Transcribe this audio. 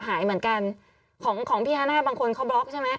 หายเหมือนกันของของพี่ฮาน่าบางคนเขาบล็อกใช่ไหม